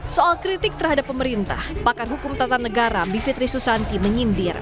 soal kritik terhadap pemerintah pakar hukum tata negara bivitri susanti menyindir